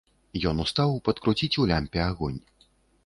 Ён устаў падкруціць у лямпе агонь.